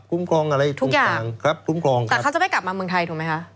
ครองอะไรทุกอย่างครับคุ้มครองแต่เขาจะไม่กลับมาเมืองไทยถูกไหมคะ